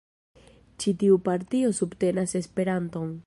Ĉi tiu partio subtenas Esperanton.